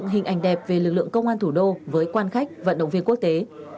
hình ảnh đẹp về lực lượng công an thủ đô với quan khách vận động viên quốc tế